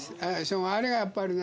あれがやっぱりね